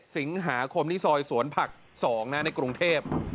สิงหาคมที่ซอยสวนผัก๒นะในกรุงเทพ